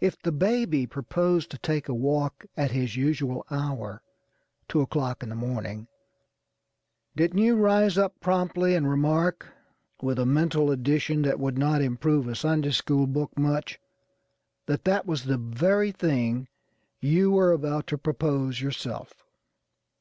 If the baby proposed to take a walk at his usual hour, two o'clock in the morning, didn't you rise up promptly and remark, with a mental addition which would not improve a Sunday school book much, that that was the very thing you were about to propose yourself?